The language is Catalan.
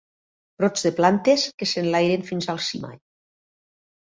Brots de plantes que s'enlairen fins al cimall.